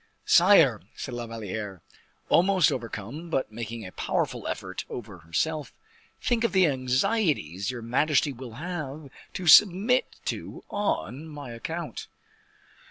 "Sire," said La Valliere, almost overcome, but making a powerful effort over herself, "think of the anxieties your majesty will have to submit to on my account.